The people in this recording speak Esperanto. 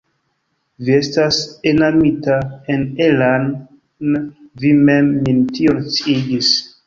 Vi estas enamita en Ella'n vi mem min tion sciigis.